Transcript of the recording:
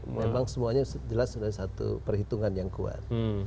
memang semuanya jelas sudah satu perhitungan yang kuat